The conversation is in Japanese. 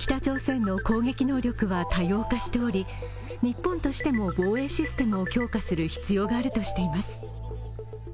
北朝鮮の攻撃能力は多様化しており日本としても防衛システムを強化する必要があるとしています。